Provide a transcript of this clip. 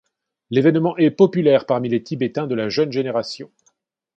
L’évènement est populaire parmi les Tibétains de la jeune génération.